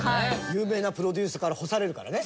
有名なプロデューサーから干されるからね。